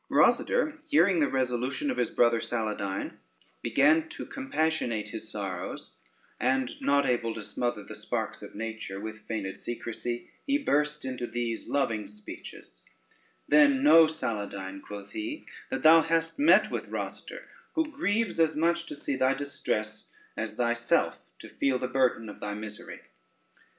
Rosader, hearing the resolution of his brother Saladyne, began to compassionate his sorrows, and not able to smother the sparks of nature with feigned secrecy, he burst into these loving speeches: "Then know, Saladyne," quoth he, "that thou hast met with Rosader, who grieves as much to see thy distress, as thyself to feel the burden of thy misery."